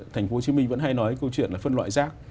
thành phố hồ chí minh vẫn hay nói câu chuyện là phân loại rác